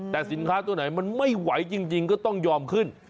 แต่สินค้าตัวไหนมันไม่ไหวจริงก็ต้องยอมขึ้น